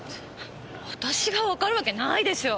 私がわかるわけないでしょう。